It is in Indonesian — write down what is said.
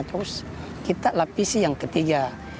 terus kita lapisi yang ketiga